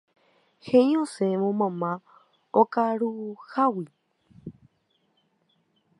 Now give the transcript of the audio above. He'i osẽvo mamá okaruhágui.